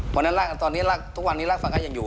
วันนั้นลากฟันก็ยังอยู่